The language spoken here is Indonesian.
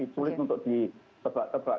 sulit untuk ditebak tebak